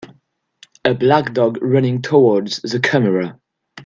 A black dog running towards the camera.